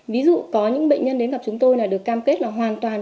ví dụ có những bệnh nhân đến gặp chúng tôi là được cam kết là hoàn toàn